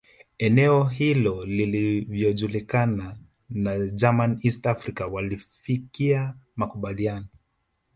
Eneo hilo lilivyojulikana na German East Africa walifikia makubaliano